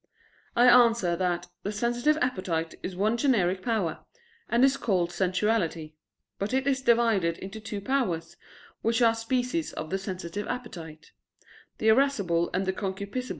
I answer that, The sensitive appetite is one generic power, and is called sensuality; but it is divided into two powers, which are species of the sensitive appetite the irascible and the concupiscible.